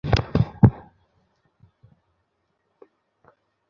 আপনি বলবেন, আইন অন্ধ, কিন্তু অন্ধও তো যষ্টি ছাড়া চলতে পারে না।